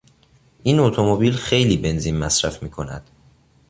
این اتومبیل خیلی بنزین مصرف میکند.